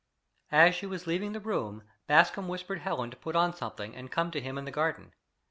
As she was leaving the room, Bascombe whispered Helen to put on something and come to him in the garden.